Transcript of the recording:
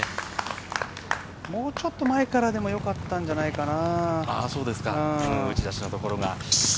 もうちょっと前からでも良かったんじゃないかな。